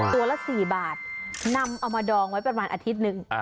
ตัวละ๔บาทนำเอามาดองไว้ประมาณอาทิตย์หนึ่ง